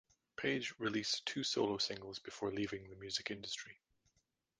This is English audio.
Page released two solo singles before leaving the music industry.